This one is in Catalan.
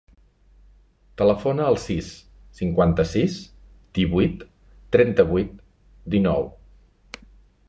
Telefona al sis, cinquanta-sis, divuit, trenta-vuit, dinou.